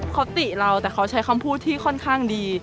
เขาติเราแต่เขาใช้คำพูดที่ค่อนข้างดี